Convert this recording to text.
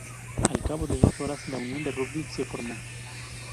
Al cabo de dos horas, la Unión de Rugby se formó.